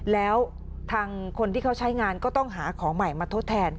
แล้วทางคนที่เขาใช้งานก็ต้องหาของใหม่มาทดแทน